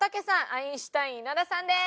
アインシュタイン稲田さんです。